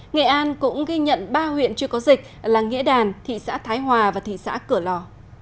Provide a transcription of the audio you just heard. nghệ an cũng ghi nhận ba huyện chưa có dịch là nghĩa đàn thị xã thái hòa và thị xã cửa lò